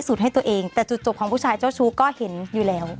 ให้ตัวเองแต่จุดจบของผู้ชายเจ้าชู้ก็เห็นอยู่แล้ว